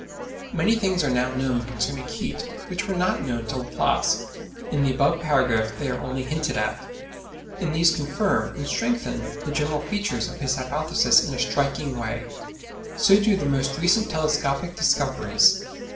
] Many things are now known concerning heat which were not known to Laplace (in the above paragraph they are only hinted at), and these confirm and strengthen the general features of his hypothesis in a striking way; so do the most recent telescopic discoveries.